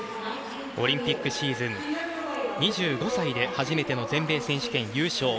オリンピックシーズン２５歳で初めての全米選手権優勝。